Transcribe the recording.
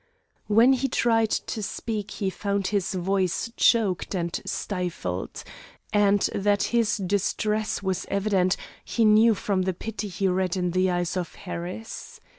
When he tried to speak he found his voice choked and stifled, and that his distress was evident, he knew from the pity he read in the eyes of Harris.